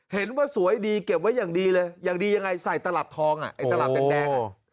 เห็นว่าสวยดีเก็บไว้อย่างดีเลยอย่างดียังไงใส่ตลับทองอ่ะไอ้ตลับแดงอ่ะ